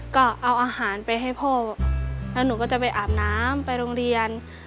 ก็เอาอาหารไปให้พ่อแล้วหนูก็จะไปอาบน้ำไปโรงเรียน